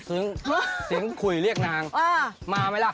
อืมคือเสียงคุยเรียกนางจะมาไม่ละ